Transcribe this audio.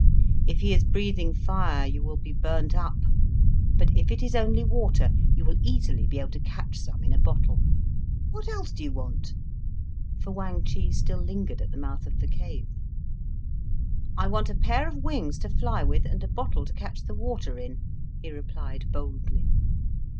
If he is breathing fire you will be burnt up, but if it is only water, you will easily be able to catch some in a little bottle. What else do you want?" For Wang Chih still lingered at the mouth of the cave. "I want a pair of wings to fly with, and a bottle to catch the water in," he replied boldly.